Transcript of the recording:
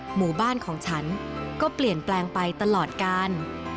หมู่บ้านของฉันก็เปลี่ยนแปลงไปตลอดกาล